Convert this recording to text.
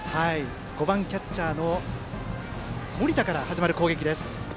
５番キャッチャーの森田から始まる攻撃。